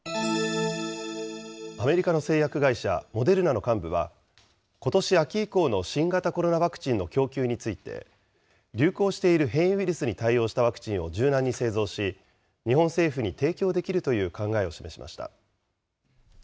アメリカの製薬会社、モデルナの幹部は、ことし秋以降の新型コロナワクチンの供給について、流行している変異ウイルスに対応したワクチンを柔軟に製造し、日本政府に提供できるという考えを示しました。